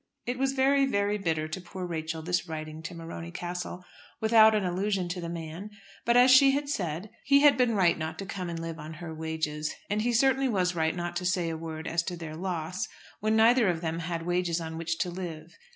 It was very, very bitter to poor Rachel this writing to Morony Castle without an allusion to the man; but, as she had said, he had been right not to come and live on her wages, and he certainly was right not to say a word as to their loss, when neither of them had wages on which to live.